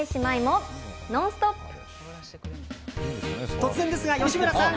突然ですが、吉村さん！